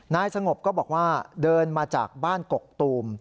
นายสงบก็บอกว่าเดินมาจากบ้านกกตูม